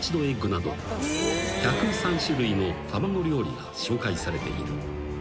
［１０３種類の卵料理が紹介されている］